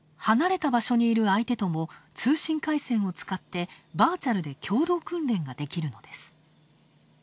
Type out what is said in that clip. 離れた場所にいる相手とも通信回線を使って、バーチャルで共同訓練ができるのです。